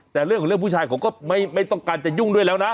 แต่เรื่องของเรื่องผู้ชายเขาก็ไม่ต้องการจะยุ่งด้วยแล้วนะ